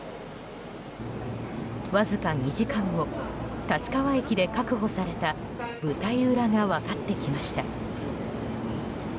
わずか２時間後立川駅で確保された舞台裏が分かってきました。